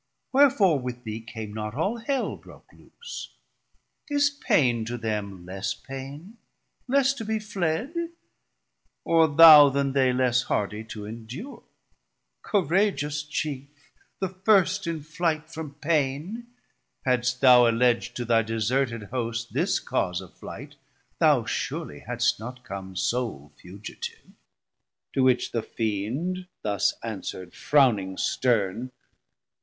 wherefore with thee Came not all Hell broke loose? is pain to them Less pain, less to be fled, or thou then they Less hardie to endure? courageous Chief, 920 The first in flight from pain, had'st thou alleg'd To thy deserted host this cause of flight, Thou surely hadst not come sole fugitive. To which the Fiend thus answerd frowning stern.